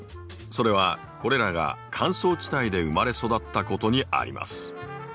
それはこれらが乾燥地帯で生まれ育ったことにあります。